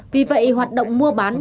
vì vậy hoạt động mua bán